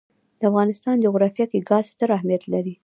د افغانستان جغرافیه کې ګاز ستر اهمیت لري.